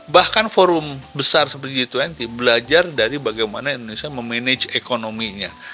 bahkan forum besar seperti g dua puluh belajar dari bagaimana indonesia memanage ekonominya